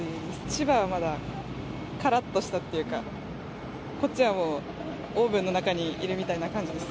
千葉はまだからっとしたっていうか、こっちはもう、オーブンの中にいるみたいな感じです。